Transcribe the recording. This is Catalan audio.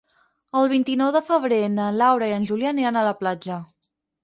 El vint-i-nou de febrer na Laura i en Julià aniran a la platja.